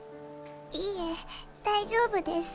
いえ大丈夫です。